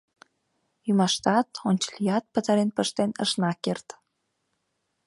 Ӱмаштат, ончылият пытарен пыштен ышна керт.